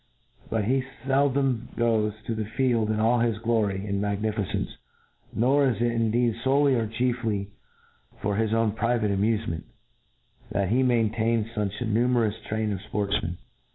But he fcldom goes to the field in all this glory and magnificence ; nor is it indeed folely or chiefly for his own pri vate amufenient that he m^ntains fuch a nume rous train of fportfmen.